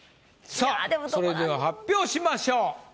さぁそれでは発表しましょう。